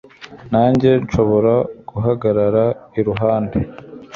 Nanjye nshobora guhagarara iruhande